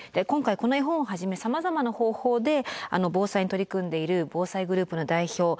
今回この絵本をはじめさまざまな方法で防災に取り組んでいる防災グループの代表